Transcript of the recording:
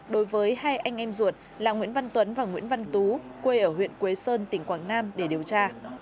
đối với hai anh em ruột là nguyễn văn tuấn và nguyễn văn tú quê ở huyện quế sơn tỉnh quảng nam để điều tra